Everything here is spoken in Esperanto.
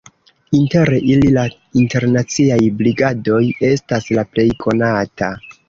Inter ili la Internaciaj Brigadoj estas la plej konata.